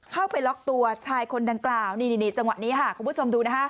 เข้าไปล๊อกตัวชายคนนางกล่าวนี่จังหวะนี้คุณผู้ชมดู